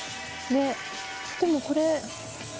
でもこれ。